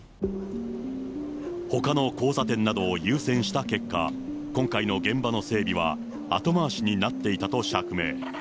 ほかの交差点など優先した結果、今回の現場の整備は後回しになっていたと釈明。